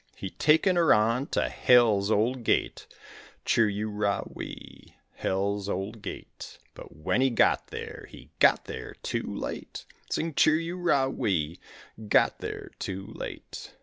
He taken her on to hell's old gate, Chir u ra wee, hell's old gate, But when he got there he got there too late, Sing chir u ra wee, got there too late.